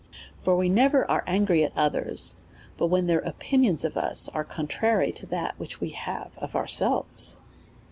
For we never are angry at others, but when their opinions of us are contrary to that which we have of <;ur.^elves.